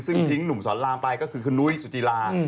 ซึ่งทิ้งหนุ่มสอนรามไปก็คือคุณนุ้ยสุจิลา